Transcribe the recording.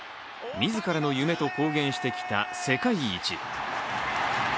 自らの夢と公言してきた世界一。